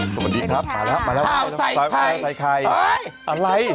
สวัสดีครับมาแล้วมาแล้วข้าวใส่ไข่ข้าวใส่ไข่เฮ้ยอะไร